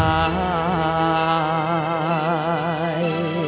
สาย